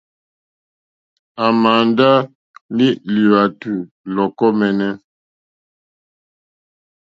À màà ndá lí lùwàtù lɔ̀kɔ́ mǃɛ́ɛ́nɛ́.